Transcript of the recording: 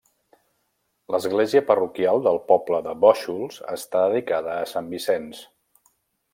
L'església parroquial del poble de Bóixols està dedicada a sant Vicenç.